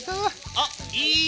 あっいい色！